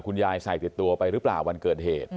ใส่ติดตัวไปหรือเปล่าวันเกิดเหตุ